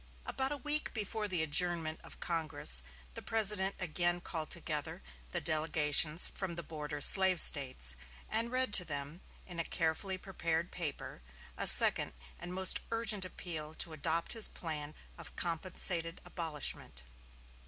About a week before the adjournment of Congress the President again called together the delegations from the border slave States, and read to them, in a carefully prepared paper, a second and most urgent appeal to adopt his plan of compensated abolishment.